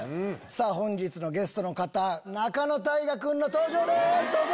本日のゲストの方仲野太賀君の登場ですどうぞ！